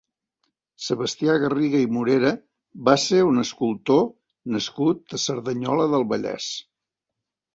Sebastià Garriga i Morera va ser un escultor nascut a Cerdanyola del Vallès.